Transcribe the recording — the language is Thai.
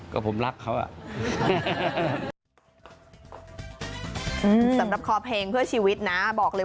ก็อย่าต้องเป็นพี่เศก